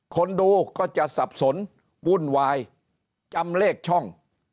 คนดูก็จะสับสนวุ่นวายจำเลขช่อง